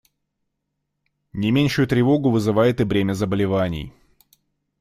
Не меньшую тревогу вызывает и бремя заболеваний.